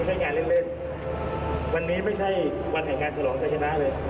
นักงานเล่นวันนี้ไม่ใช่วันไหห่งการฉลองจะชนะเลย